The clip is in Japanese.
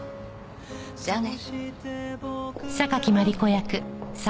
じゃあね。